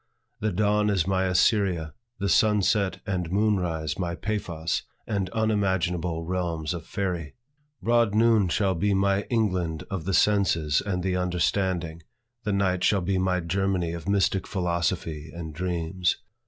The dawn is my Assyria; the sun set and moon rise my Paphos, and unimaginable realms of faerie; broad noon shall be my England of the senses and the understanding; the night shall be my Germany of mystic philosophy and dreams.